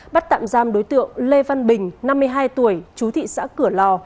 bắt tạm giam đối tượng lê văn bình năm mươi hai tuổi chú thị xã cửa lò